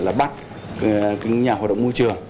là bắt nhà hoạt động môi trường